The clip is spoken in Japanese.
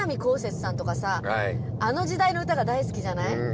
こうせつさんとかさあの時代の歌が大好きじゃない？